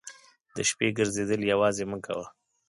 د شپې ګرځېدل یوازې مه کوه.